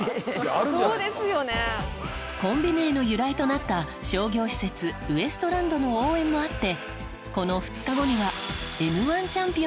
コンビ名の由来となった商業施設ウエストランドの応援もあって